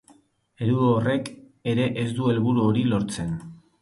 Eredu horrek ere ez du helburu hori lortzen.